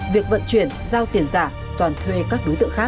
việc vận chuyển giao tiền giả toàn thuê các đối tượng khác